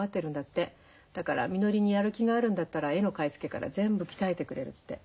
だからみのりにやる気があるんだったら絵の買い付けから全部鍛えてくれるって。